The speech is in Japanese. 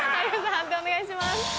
判定お願いします。